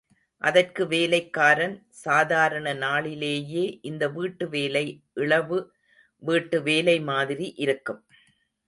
அதற்கு வேலைக்காரன், சாதாரண நாளிலேயே இந்த வீட்டு வேலை இழவு வீட்டு வேலை மாதிரி இருக்கும்.